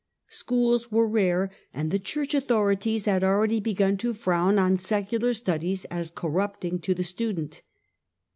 Schools were rare, and the Church authorities had already begun to frown on secular studies as corrupting to the student.